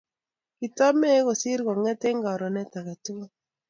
Kitameei kosir konget eng karonet age tugul